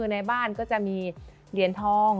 ในบ้านก็จะมีเหรียญทอง